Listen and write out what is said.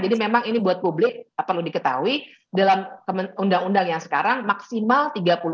jadi memang ini buat publik perlu diketahui dalam undang undang yang sekarang maksimal tiga puluh empat